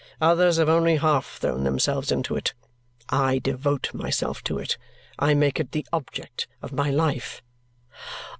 Others have only half thrown themselves into it. I devote myself to it. I make it the object of my life."